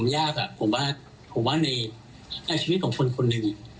ยากผมว่าในชีวิตของคนหนึ่ง